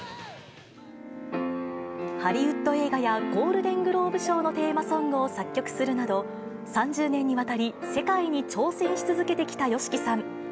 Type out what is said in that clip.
ハリウッド映画やゴールデン・グローブ賞のテーマソングを作曲するなど、３０年にわたり世界に挑戦し続けてきたＹＯＳＨＩＫＩさん。